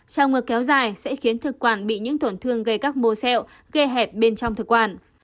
trào ngược kéo dài sẽ khiến thực quản bị những thổn thương gây các mô xeo gây hẹp bên trong thực quản